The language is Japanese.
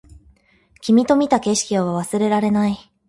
君と見た景色は忘れられない